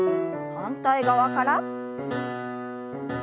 反対側から。